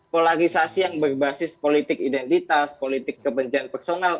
polarisasi yang berbasis politik identitas politik kebencian personal